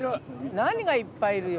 何がいっぱいいるよ？